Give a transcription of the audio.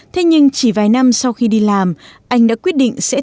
thế nhưng chỉ vài năm sau khi đi làm anh đã quyết định sẽ